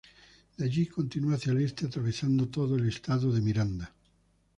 De allí continúa hacia el Este atravesando todo el estado Miranda.